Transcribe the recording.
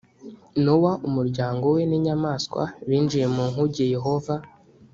nowa umuryango we n inyamaswa binjiye mu nkuge yehova